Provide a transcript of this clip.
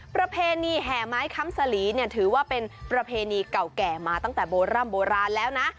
ประเพณีแห่ไม้ค้ำสลีเนี่ยถือว่าเป็นประเพณีเก่าแก่มาตั้งแต่โบร่ำโบราณแล้วนะ